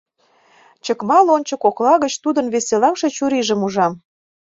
Чыкма лончо кокла гыч тудын веселаҥше чурийжым ужам.